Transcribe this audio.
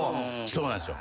そうなんですよ。